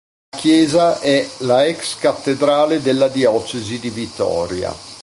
La chiesa è la ex cattedrale della diocesi di Vitoria.